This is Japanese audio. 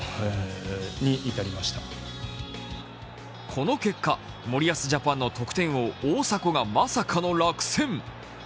この結果、森保ジャパンの得点王・大迫がまさかの落選。